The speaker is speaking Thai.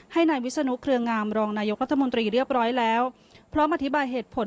ให้นายวิศนุเครืองามรองนายกรัฐมนตรีเรียบร้อยแล้วพร้อมอธิบายเหตุผล